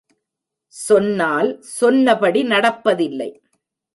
சொன்னால் சொன்னபடி நடப்பதில்லை.